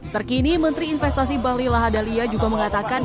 terkini menteri investasi bahlilahadalia juga mengatakan